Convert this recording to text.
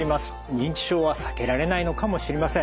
認知症は避けられないのかもしれません。